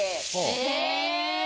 え！